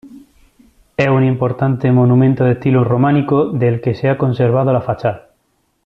Es un importante monumento de estilo románico del que se ha conservado la fachada.